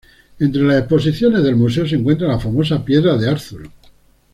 Entre las exposiciones del museo se encuentra la famosa piedra de Arthur.